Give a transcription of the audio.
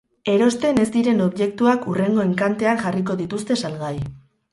Erosten ez diren objektuak hurrengo enkantean jarriko dituzte salgai.